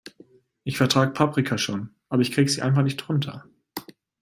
Ich vertrag Paprika schon, aber ich krieg sie einfach nicht runter.